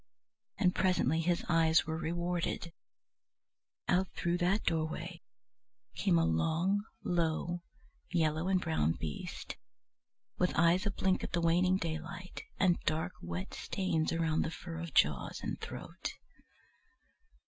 And presently his eyes were rewarded: out through that doorway came a long, low, yellow and brown beast, with eyes a blink at the waning daylight, and dark wet stains around the fur of jaws and throat.